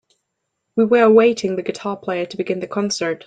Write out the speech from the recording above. We were awaiting the guitar player to begin the concert.